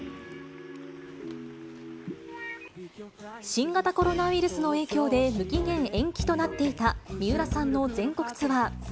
新型コロナウイルスの影響で無期限延期となっていた三浦さんの全国ツアー。